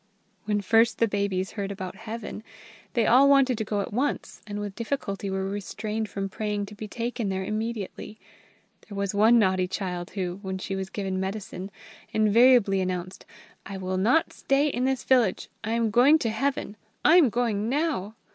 When first the babies heard about Heaven, they all wanted to go at once, and with difficulty were restrained from praying to be taken there immediately. There was one naughty child who, when she was given medicine, invariably announced, "I will not stay in this village: I am going to Heaven! I am going now!"